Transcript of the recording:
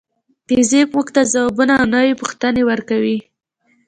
فزیک موږ ته ځوابونه او نوې پوښتنې ورکوي.